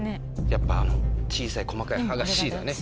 やっぱ小さい細かい葉がＣだね。